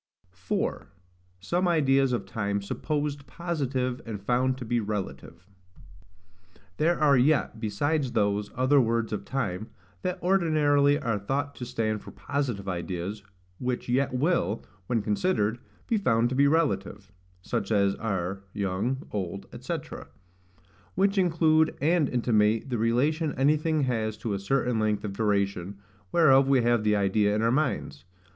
4. Some ideas of Time supposed positive and found to be relative. There are yet, besides those, other words of time, that ordinarily are thought to stand for positive ideas, which yet will, when considered, be found to be relative; such as are, young, old, &c., which include and intimate the relation anything has to a certain length of duration, whereof we have the idea in our minds.